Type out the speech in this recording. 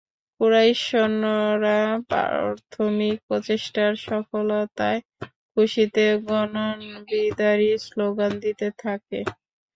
কুরাইশ সৈন্যরা প্রাথমিক প্রচেষ্টার সফলতায় খুশিতে গগনবিদারী শ্লোগান দিতে থাকে।